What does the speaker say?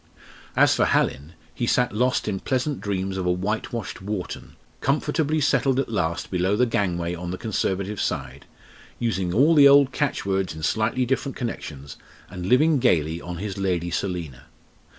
As for Hallin, he sat lost in pleasant dreams of a whitewashed Wharton, comfortably settled at last below the gangway on the Conservative side, using all the old catch words in slightly different connections, and living gaily on his Lady Selina.